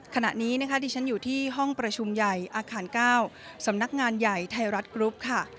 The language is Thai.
ขณะนี้นะคะที่ฉันอยู่ที่ห้องประชุมใหญ่อาคาร๙สำนักงานใหญ่ไทยรัฐกรุ๊ปค่ะ